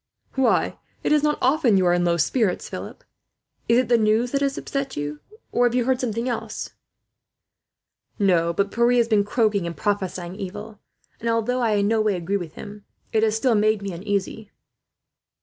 "Why, it is not often you are in low spirits, Philip. Is it the news that has upset you, or have you heard anything else?" "No; but Pierre has been croaking and prophesying evil, and although I in no way agree with him, it has still made me uneasy."